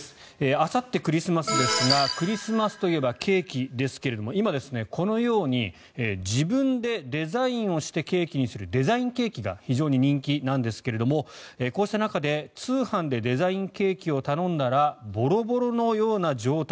あさってクリスマスですがクリスマスといえばケーキですけれど今、このように自分でデザインをしてケーキにするデザインケーキが非常に人気なんですがこうした中で通販でデザインケーキを頼んだらボロボロのような状態